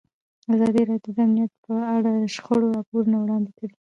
ازادي راډیو د امنیت په اړه د شخړو راپورونه وړاندې کړي.